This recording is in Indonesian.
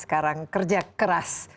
sekarang kerja keras